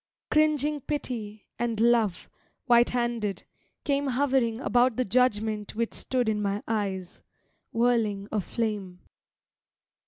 Cringing Pity, and Love, white handed, came Hovering about the Judgment which stood in my eyes, Whirling a flame.